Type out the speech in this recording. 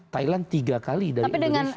thailand tiga kali dari indonesia